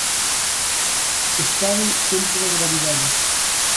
Estábel dentro da gravidade.